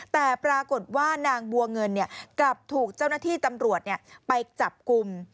แต่ปรากฏว่านางบัวเงินกลับถูกเจ้าหน้าที่ตำรวจไปจับกลุ่ม